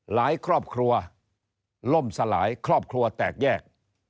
ครอบครัวล่มสลายครอบครัวแตกแยก